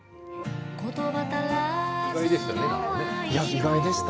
意外でした。